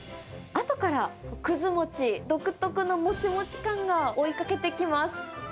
あとからくず餅独特のもちもち感が追いかけてきます。